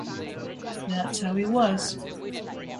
That's how he was.